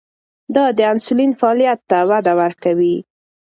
دا د انسولین فعالیت ته وده ورکوي.